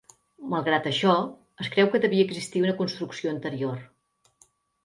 Malgrat això es creu que devia existir una construcció anterior.